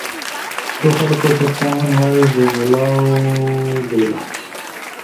تُو خلقو ست کامن وائس دے میلاؤ بیلا